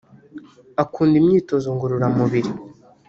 Akunda imyitozo ngororamubiri